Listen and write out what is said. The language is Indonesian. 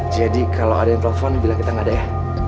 jadi kalo ada yang telepon bilang kita gak ada ya